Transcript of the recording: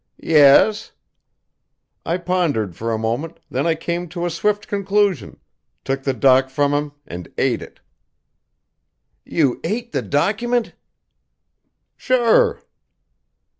"Yes?" "I pondered for a moment then I came to a swift conclusion took the doc from him and ate it." "You ate the document?" "Sure."